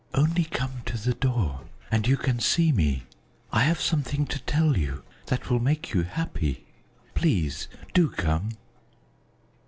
"Only come to the door, and you can see me. I have something to tell you that will make you happy. Please do come!"